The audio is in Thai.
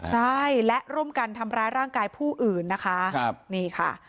ใช่และร่วมกันทำร้ายร่างกายผู้อื่นนะคะ